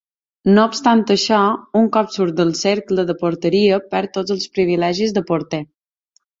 No obstant això, un cop surt del cercle de porteria perd tots els privilegis de porter.